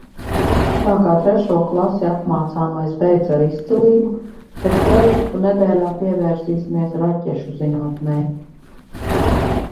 Tā kā trešo klasi apmācāmais beidza ar izcilību, tad projektu nedēļā pievērsīsimies raķešu zinātnei.